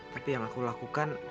tapi yang aku lakukan